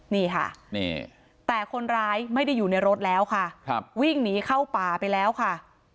นี่ค่ะแต่คนร้ายไม่ได้อยู่ในรถแล้วค่ะวิ่งหนีเข้าป่าไปแล้วค่ะ